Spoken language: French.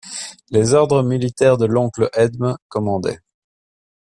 Les ordres militaires de l'oncle Edme commandaient.